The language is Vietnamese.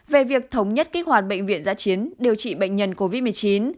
về việc thống nhất kích hoạt bệnh viện giã chiến điều trị bệnh nhân covid một mươi chín